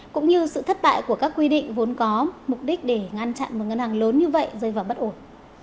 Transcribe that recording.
cũng như sự thất bại của các quy định vốn có mục đích để ngăn chặn một ngân hàng lớn như vậy rơi vào bất ổn